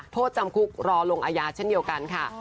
โทษจำคุกรอลงอาญาเช่นเดียวกันค่ะ